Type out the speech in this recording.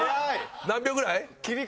何秒ぐらい？